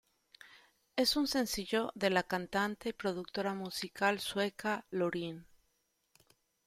Es un sencillo de la cantante y productora musical sueca Loreen.